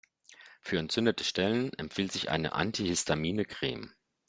Für entzündete Stellen empfiehlt sie eine antihistamine Creme.